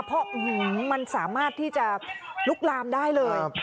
เพราะมันสามารถที่จะลุกลามได้เลย